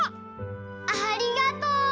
ありがとう！